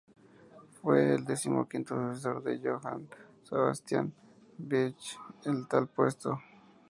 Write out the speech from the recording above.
Fue el decimoquinto sucesor de Johann Sebastian Bach en tal puesto.